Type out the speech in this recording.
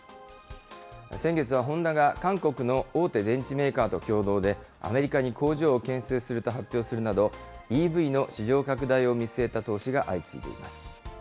先月はホンダが韓国の大手電池メーカーと共同で、アメリカに工場を建設すると発表するなど、ＥＶの市場拡大を見据えた投資が相次いでいます。